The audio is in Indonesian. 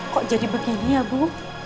kok jadi begini ya bu